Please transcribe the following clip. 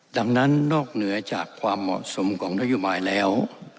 ดังนั้นนอกเหนือจากความเหมาะสมของนโยบายแล้ว